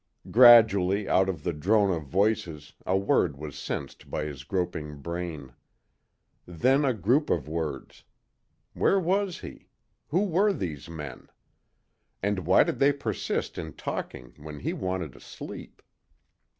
Gradually, out of the drone of voices a word was sensed by his groping brain. Then a group of words. Where was he? Who were these men? And why did they persist in talking when he wanted to sleep?